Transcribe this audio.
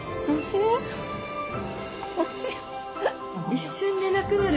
一瞬でなくなる。